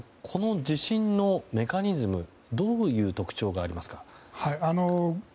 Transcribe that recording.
この地震のメカニズムどういう特徴がありますか？